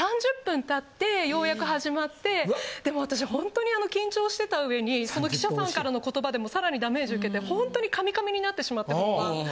３０分経ってようやく始まってでも私ほんとに緊張してた上にその記者さんからの言葉でさらにダメージ受けてほんとに噛み噛みになってしまって本番。